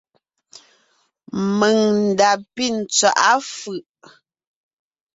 Mèŋ n da pí tswaʼá fʉ̀ʼ.